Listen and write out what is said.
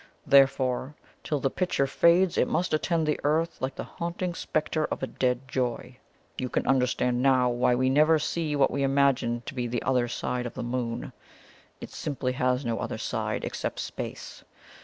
Therefore, till the picture fades, it must attend the Earth like the haunting spectre of a dead joy. You can understand now why we never see what we imagine to be the OTHER SIDE of the Moon. It simply has NO other side, except space.